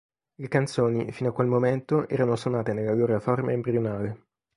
Le canzoni fino a quel momento erano suonate nella loro forma embrionale.